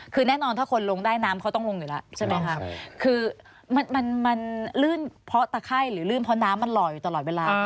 คือแน่นอนถ้าคนลงได้น้ำเขาต้องลงอยู่แล้วใช่ไหมคะคือมันลื่นเพราะตะไข้หรือลื่นเพราะน้ำมันหล่ออยู่ตลอดเวลา